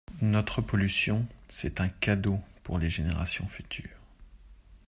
Notre pollution, c'est un cadeau pour les générations futures.